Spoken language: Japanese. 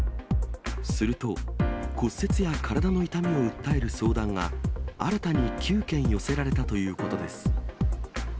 すると、骨折や体の痛みを訴える相談が、新たに９件寄せられたということです。